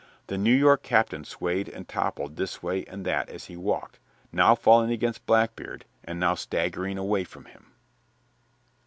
The New York captain swayed and toppled this way and that as he walked, now falling against Blackbeard, and now staggering away from him.